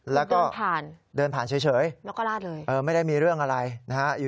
แล้วก็ผ่านเดินผ่านเฉยแล้วก็ลาดเลยไม่ได้มีเรื่องอะไรนะฮะ